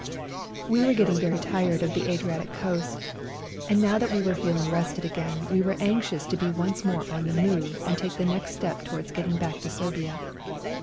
We were getting very tired of the Adriatic coast, and now that we were feeling rested again we were anxious to WE GO TO CORFU 195 be once more on the move and take the next step towards getting back to Serbia.